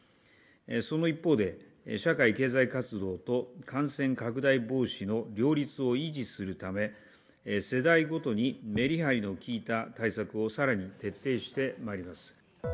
その一方で、社会経済活動と感染拡大防止の両立を維持するため、世代ごとにメリハリのきいた対策をさらに徹底してまいります。